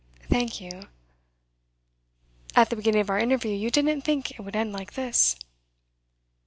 'Thank you.' 'At the beginning of our interview you didn't think it would end like this?